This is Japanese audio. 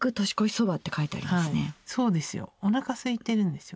そうですよ。